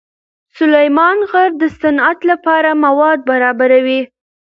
سلیمان غر د صنعت لپاره مواد برابروي.